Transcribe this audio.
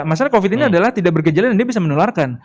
masalah covid ini adalah tidak bergejala dan dia bisa menularkan